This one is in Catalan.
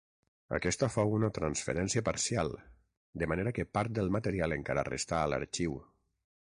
Aquesta fou una transferència parcial, de manera que part del material encara resta a l'Arxiu.